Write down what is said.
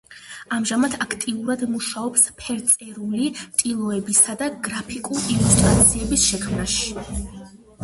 ამჟამად აქტიურად მუშაობს ფერწერული ტილოებისა და გრაფიკული ილუსტრაციების შექმნაში.